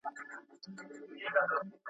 ستا بچي به هم رنګین وي هم ښاغلي ..